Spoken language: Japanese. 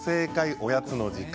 「おやつの時間」。